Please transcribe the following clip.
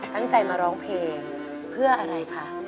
ตั้งใจมาร้องเพลงเพื่ออะไรคะ